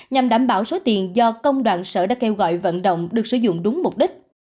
nhằm đảm bảo số tiền do công đoàn sở đã kêu gọi vận động được sử dụng đúng mục đích